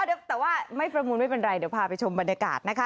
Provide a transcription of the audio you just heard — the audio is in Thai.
แต่ว่าไม่ประมูลไม่เป็นไรเดี๋ยวพาไปชมบรรยากาศนะคะ